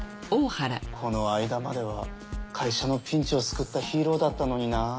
この間までは会社のピンチを救ったヒーローだったのにな。